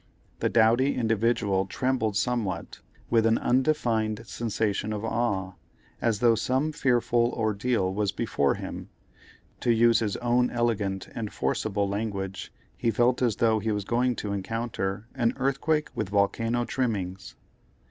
The doughty "Individual" trembled somewhat, with an undefined sensation of awe, as though some fearful ordeal was before him—to use his own elegant and forcible language, he felt as though he was going to encounter an earthquake with volcano trimmings.